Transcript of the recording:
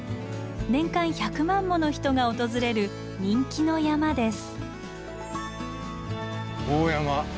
年間１００万もの人が訪れる人気の山です。